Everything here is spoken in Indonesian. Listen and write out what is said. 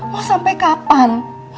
mau sampai kapan